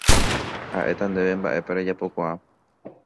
Ha'éta ndéve mba'épa rejapokuaa.